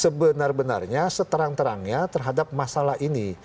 sebenar benarnya seterang terangnya terhadap masalah ini